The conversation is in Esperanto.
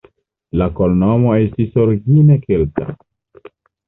La loknomo estis origine kelta.